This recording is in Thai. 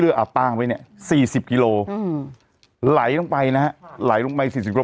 เลือกอาบป้างไว้เนี้ยสี่สิบกิโลอืมไหลลงไปนะฮะไหลลงไปสี่สิบกิโล